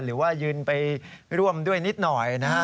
หรือว่ายืนไปร่วมด้วยนิดหน่อยนะฮะ